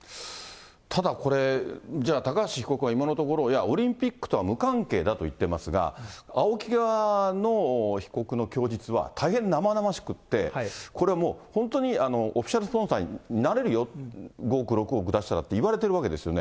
ただこれ、じゃあ、高橋被告は今のところ、いや、オリンピックとは無関係だと言ってますが、ＡＯＫＩ側の被告の供述は大変生々しくって、これはもう、本当にオフィシャルスポンサーになれるよ、５億、６億出したらって言われてるわけですよね。